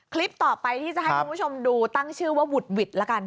คลิปต่อไปที่จะให้คุณผู้ชมดูตั้งชื่อว่าหุดหวิดละกัน